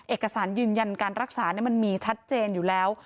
เอกสารยืนยันการรักษามันมีชัดเจนอยู่แล้ว